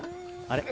あれ？